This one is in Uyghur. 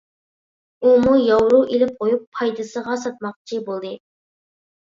ئۇمۇ ياۋرو ئېلىپ قويۇپ پايدىسىغا ساتماقچى بولدى.